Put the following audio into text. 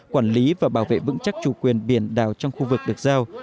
quản lý và bảo vệ vững chắc chủ quyền biển đảo trong khu vực được giao